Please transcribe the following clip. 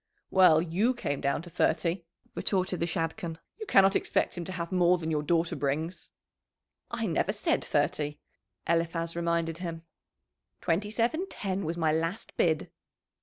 "Well, you came down to thirty," retorted the Shadchan. "You cannot expect him to have more than your daughter brings." "I never said thirty," Eliphaz reminded him. "Twenty seven ten was my last bid."